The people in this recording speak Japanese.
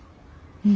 うん。